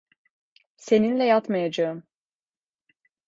Seninle yatmayacağım.